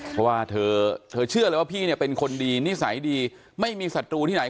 เพราะว่าเธอเชื่อเลยว่าพี่เนี่ยเป็นคนดีนิสัยดีไม่มีศัตรูที่ไหน